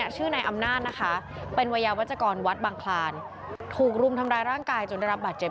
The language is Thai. ชื่อนายอำนาจนะคะเป็นวัยยาวัชกรวัดบังคลานถูกรุมทำร้ายร่างกายจนได้รับบาดเจ็บ